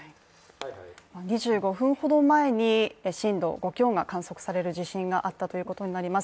２５分ほど前に震度５強が観測される地震があったということになります。